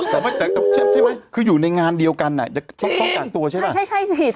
แต่คืออยู่ในงานเดียวกันอ่ะจริงต้องกักตัวใช่ไหมใช่ใช่ใช่สิ